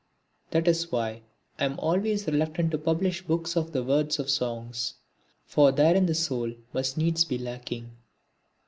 That is why I am always reluctant to publish books of the words of songs, for therein the soul must needs be lacking.